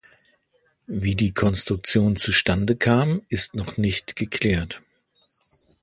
Wie die Konstruktion zustande kam, ist noch nicht geklärt.